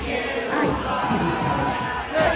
Ай... — кидым лупшалеш.